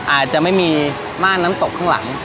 อาจจะไม่มีม่านน้ำตกข้างหลัง